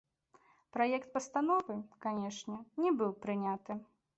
Праект пастановы, канешне, не быў прыняты.